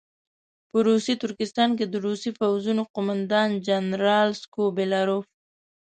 په روسي ترکستان کې د روسي پوځونو قوماندان جنرال سکوبیلروف.